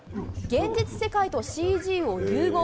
現実世界とＣＧを融合。